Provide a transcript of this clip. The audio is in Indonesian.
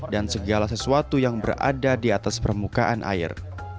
dan segala sesuatu yang berada di atas permukaan air